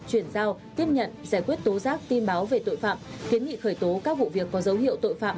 chuyển giao tiếp nhận giải quyết tố giác tin báo về tội phạm kiến nghị khởi tố các vụ việc có dấu hiệu tội phạm